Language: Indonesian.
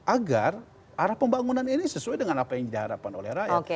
agar arah pembangunan ini sesuai dengan apa yang diharapkan oleh rakyat